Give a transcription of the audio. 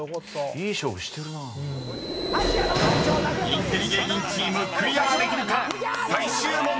［インテリ芸人チームクリアできるか⁉］